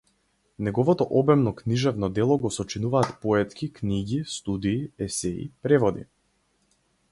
Неговото обемно книжевно дело го сочинуваат поетки книги, студии, есеи, преводи.